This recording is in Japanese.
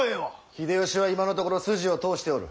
秀吉は今のところ筋を通しておる。